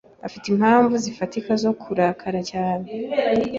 Afite impamvu zifatika zo kurakara cyane.